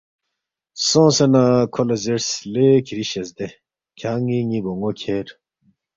سونگسے نہ کھو لہ زیرس، ”لے کِھری شزدے کھیان٘ی ن٘ی بون٘و کھیر